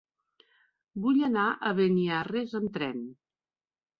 Vull anar a Beniarrés amb tren.